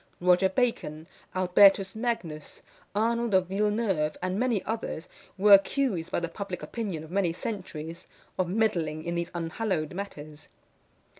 Roger Bacon, Albertus Magnus, Arnold of Villeneuve, and many others, were accused by the public opinion of many centuries, of meddling in these unhallowed matters.